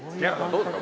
どうですか